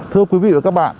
thưa quý vị và các bạn